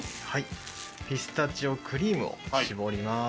ピスタチオクリームを絞ります。